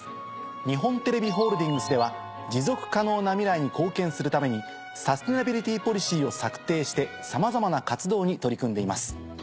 日本テレビホールディングスでは持続可能な未来に貢献するためにサステナビリティポリシーを策定してさまざまな活動に取り組んでいます。